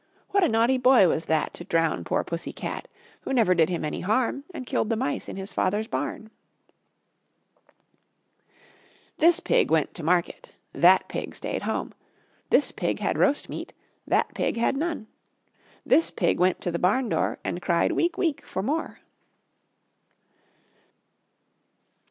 What a naughty boy was that To drown poor pussy cat Who never did him any harm, And killed the mice in his father's barn. This pig went to market, That pig stayed at home; This pig had roast meat, That pig had none; This pig went to the barn door, And cried "week, week," for more.